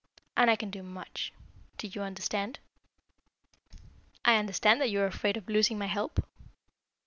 And I can do much. Do you understand?" "I understand that you are afraid of losing my help."